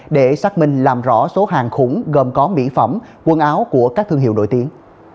để xác minh làm rõ số hàng khủng gồm có mỹ phẩm quần áo của các thương hiệu nổi tiếng